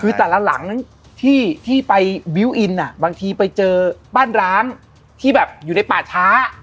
คือแต่ละหลังนั้นที่ไปบิวต์อินบางทีไปเจอบ้านร้างที่แบบอยู่ในป่าช้า